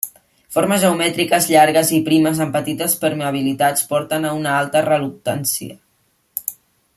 Formes geomètriques llargues i primes amb petites permeabilitats porten a una alta reluctància.